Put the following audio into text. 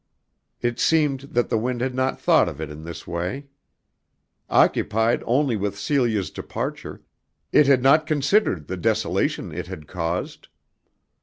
It seemed that the wind had not thought of it in this way. Occupied only with Celia's departure, it had not considered the desolation it had caused.